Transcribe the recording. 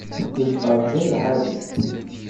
D lferja n lεali.